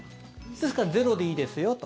ですから、ゼロでいいですよと。